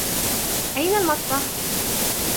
أين المطبخ؟